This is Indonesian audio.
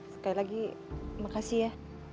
sekali lagi makasih ya